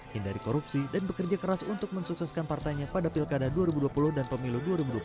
hindari korupsi dan bekerja keras untuk mensukseskan partainya pada pilkada dua ribu dua puluh dan pemilu dua ribu dua puluh